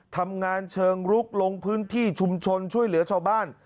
ทำงานเชิงลุกลงพื้นที่ชุมชนช่วยเหลือชาวบ้าน